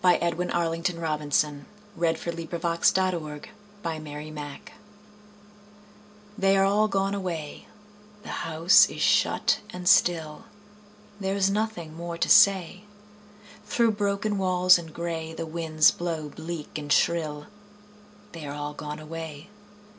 Edwin Arlington Robinson The House on the Hill THEY are all gone away, The house is shut and still, There is nothing more to say. Through broken walls and gray The winds blow bleak and shrill: They are all gone away.